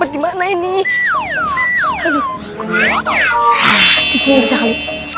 di mana ini